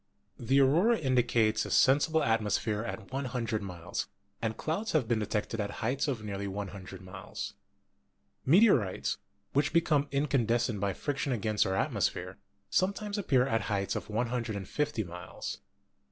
The aurora indicates a sensible atmosphere at 100 miles, and clouds have been detected at heights of nearly 100 miles. Meteorites, which become incandescent by friction against our atmosphere, some times appear at heights of 150 miles.